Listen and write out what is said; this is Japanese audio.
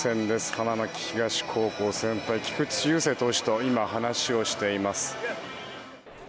花巻東高校先輩・菊池雄星投手と今、話をしています。